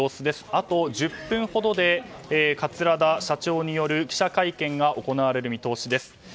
あと１０分ほどで桂田社長による記者会見が行われる見通しです。